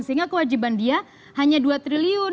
sehingga kewajiban dia hanya dua triliun